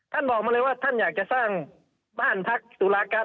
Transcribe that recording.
บอกมาเลยว่าท่านอยากจะสร้างบ้านพักตุลาการ